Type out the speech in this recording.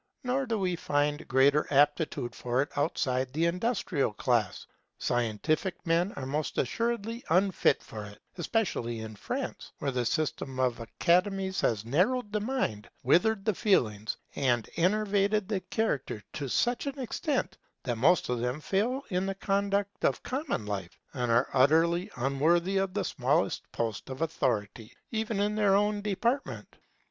Nor do we find greater aptitude for it outside the industrial class. Scientific men are most assuredly unfit for it, especially in France, where the system of Academies has narrowed the mind, withered the feelings, and enervated the character to such an extent, that most of them fail in the conduct of common life, and are utterly unworthy of the smallest post of authority, even in their own department.